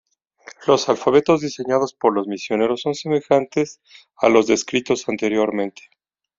Los alfabetos diseñados por los misioneros son semejantes a los descritos anteriormente.